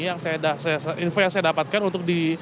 yang info yang saya dapatkan untuk di